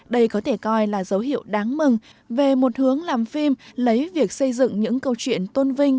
đây có thể coi là dấu hiệu đáng mừng về một hướng làm phim lấy việc xây dựng những câu chuyện tôn vinh